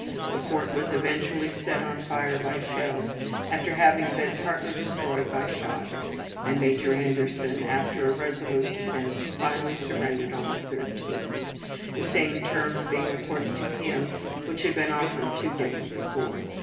The fort was eventually set on fire by shells, after having been partly destroyed by shot, and Major Anderson, after a resolute defense, finally surrendered on the 13th the same terms being accorded to him which had been offered two days before.